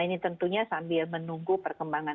ini tentunya sambil menunggu perkembangan